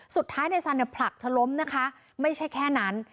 สุดท้ายนายสันเนี่ยผลักเธอล้มนะคะไม่ใช่แค่นั้น